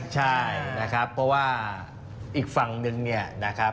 ใช่นะครับเพราะว่าอีกฝั่งนึงเนี่ยนะครับ